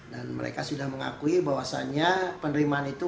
dan mereka sudah mengakui bahwasannya penerimaan itu